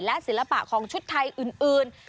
และศิลปะของชุดไทยอื่น